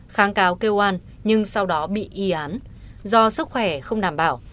kháng cáo kêu an nhưng sau đó bị y án do sức khỏe không đảm bảo